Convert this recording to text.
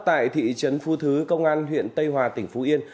tại thị trấn phú thứ công an huyện tây hòa tỉnh phú yên